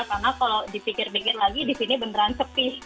karena kalau dipikir pikir lagi di sini beneran sepi